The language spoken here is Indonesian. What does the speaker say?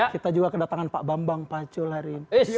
kita juga kedatangan pak bambang pacul hari ini